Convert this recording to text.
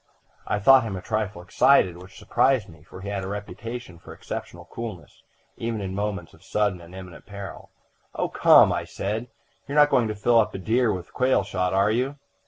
I thought him a trifle excited, which surprised me, for he had a reputation for exceptional coolness, even in moments of sudden and imminent peril. "'O, come!' I said. 'You are not going to fill up a deer with quail shot, are you?'